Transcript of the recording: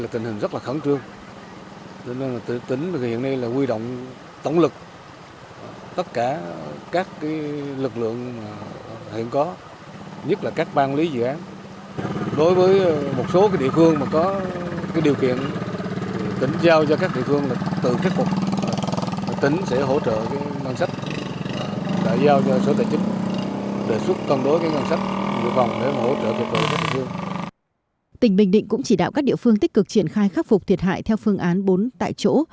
tỉnh bình định cũng chỉ đạo các địa phương tích cực triển khai khắc phục thiệt hại theo phương án bốn tại chỗ